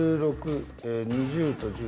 １６２０と１０。